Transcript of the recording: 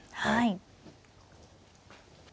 はい。